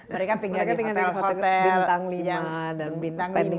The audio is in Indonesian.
mereka tinggal di hotel hotel bintang lima